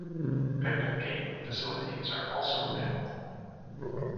Picnicking facilities are also available.